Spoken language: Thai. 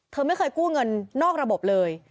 เธอไม่เคยกู้เงินนอกระบบเลย